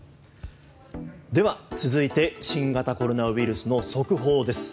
では、続いて新型コロナウイルスの速報です。